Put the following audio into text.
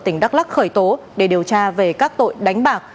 tỉnh đắk lắc khởi tố để điều tra về các tội đánh bạc